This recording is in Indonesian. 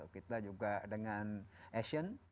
kita juga dengan asian